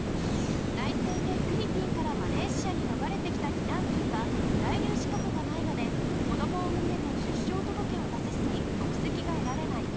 内戦でフィリピンからマレーシアに逃れてきた避難民は在留資格がないので子供を産んでも出生届を出せずに国籍が得られない。